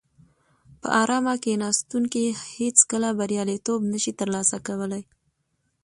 په ارامه کیناستونکي هیڅکله بریالیتوب نشي ترلاسه کولای.